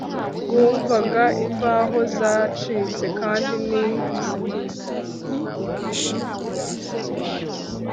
Bumvaga imbaho zacitse kandi ni nzima